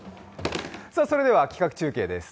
それでは、企画中継です。